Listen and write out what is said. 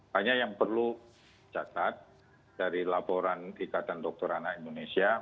hanya yang perlu catat dari laporan ikatan dokter anak indonesia